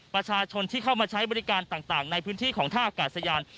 ประชาชนที่เข้ามาใช้บริการต่างในพื้นที่ของท่าอากาศยาน